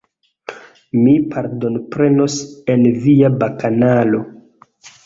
Mi partoprenos en via bakanalo.